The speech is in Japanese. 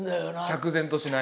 釈然としない？